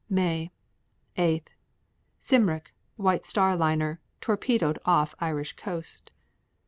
May 8. Cymric, White Star liner, torpedoed off Irish coast.